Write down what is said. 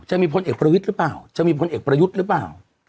พลเอกประวิทย์หรือเปล่าจะมีพลเอกประยุทธ์หรือเปล่า